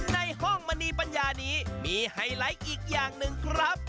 ในห้องมณีปัญญานี้มีไฮไลท์อีกอย่างหนึ่งครับ